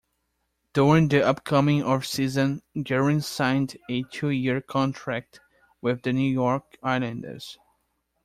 During the upcoming off-season, Guerin signed a two-year contract with the New York Islanders.